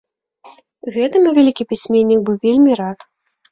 Гэтаму вялікі пісьменнік быў вельмі рад.